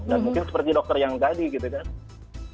dan mungkin seperti dokter yang tadi gitu kang